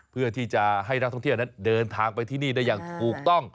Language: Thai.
เพื่อที่จะให้นักท่องเที่ยวนั้นเดินทางไปที่นี่ได้อย่างถูกต้อง